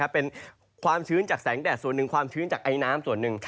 เป็นความชื้นจากแสงแดดส่วนหนึ่งความชื้นจากไอน้ำส่วนหนึ่ง